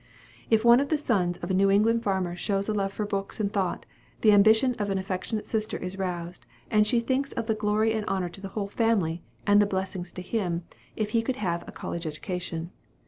If one of the sons of a New England farmer shows a love for books and thought, the ambition of an affectionate sister is roused, and she thinks of the glory and honor to the whole family, and the blessing to him, if he could have a college education.